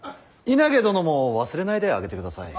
稲毛殿も忘れないであげてください。